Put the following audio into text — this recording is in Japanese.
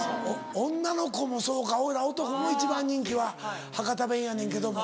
女の子もそうか俺ら男も一番人気は博多弁やねんけども。